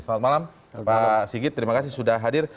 selamat malam pak sigit terima kasih sudah hadir